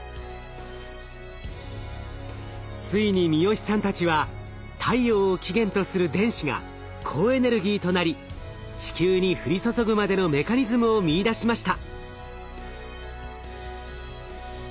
ついに三好さんたちは太陽を起源とする電子が高エネルギーとなり地球に降り注ぐまでのメカニズムを見いだしました。